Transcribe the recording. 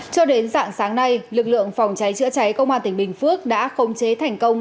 cho đến dạng sáng nay lực lượng phòng cháy chữa cháy công an tỉnh bình phước đã khống chế thành công